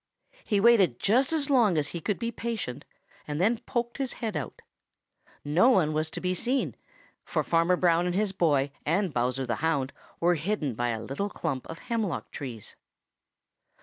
He waited just as long as he could be patient and then poked his head out. No one was to be seen, for Farmer Brown and his boy and Bowser the Hound were hidden by a little clump of hemlock trees.